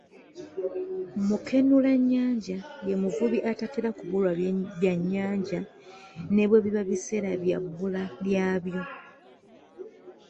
Mukenulannyanja ye muvubi atatera kubulwa byannyanja, ne bwe biba biseera bya bbula lyabo.